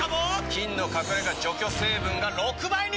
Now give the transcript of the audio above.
菌の隠れ家除去成分が６倍に！